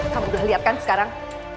kamu udah lihat kan sekarang